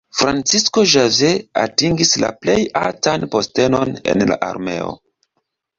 Francisco Javier atingis la plej altan postenon en la armeo.